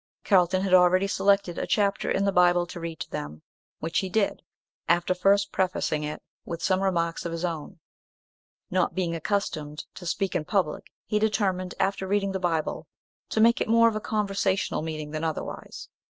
Carlton had already selected a chapter in the Bible to read to them, which he did, after first prefacing it with some remarks of his own. Not being accustomed to speak in public, he determined, after reading the Bible, to make it more of a conversational meeting than otherwise.